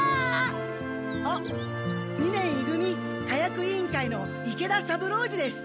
あっ二年い組火薬委員会の池田三郎次です。